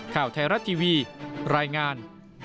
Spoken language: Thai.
ข่าวไทยรัฐทีวีรายงาน